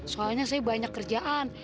soalnya saya banyak kerjaan